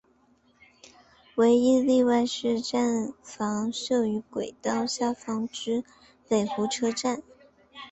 唯一例外是站房设于轨道下方之北湖车站。